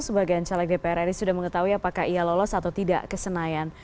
sebagian caleg dpr ri sudah mengetahui apakah ia lolos atau tidak ke senayan